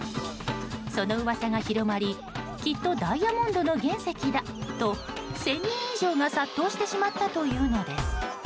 その噂が広まりきっとダイヤモンドの原石だと１０００人以上が殺到してしまったというのです。